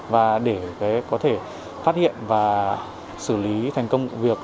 và để có thể phát hiện và xử lý thành công vụ việc